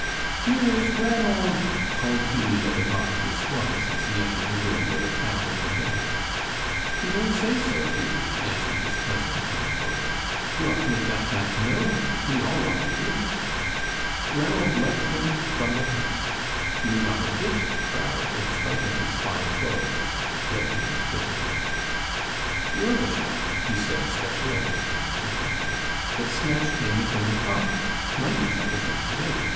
"Here is Ranald!" called Hughie at the top of his voice, as he entered the room where the family were gathered. "You don't say so, Hughie?" answered his cousin, coming forward. "You ought to make that fact known. We all want to hear it." Ranald liked him from the first. He was not a bit "proud" in spite of his fine clothes and his head being "split in the middle." "You're the chap," he said, stretching out his hand to Ranald, "that snatched Maimie from the fire. Mighty clever thing to do.